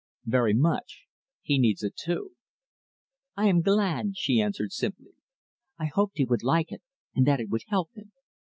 "Very much. He needs it too." "I am glad," she answered simply. "I hoped he would like it, and that it would help him.